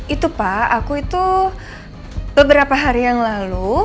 itu pak aku itu beberapa hari yang lalu